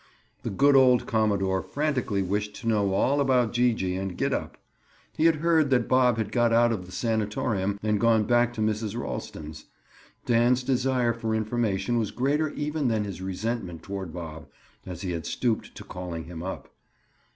The good old commodore frantically wished to know all about Gee gee and Gid up. He had heard that Bob had got out of the sanatorium and gone back to Mrs. Ralston's. Dan's desire for information was greater even than his resentment toward Bob, as he had stooped to calling him up.